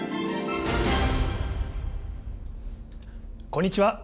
こんにちは。